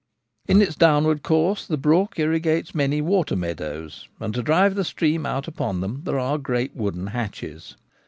In its downward course the brook irrigates many water meadows, and to drive the stream out upon them there are great wooden hatches.